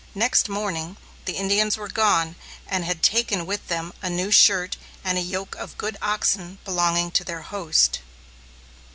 Next morning, the Indians were gone, and had taken with them a new shirt and a yoke of good oxen belonging to their host.